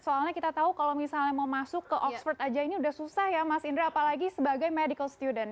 soalnya kita tahu kalau misalnya mau masuk ke oxford aja ini sudah susah ya mas indra apalagi sebagai medical student